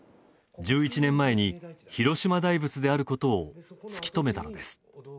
１１年前に、広島大仏であることを突き止めたのです。